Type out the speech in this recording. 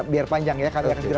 biar panjang ya